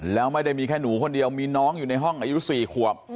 แล้วไม่ได้มีแค่หนูคนเดียวมีน้องอยู่ในห้องอายุ๔ขวบ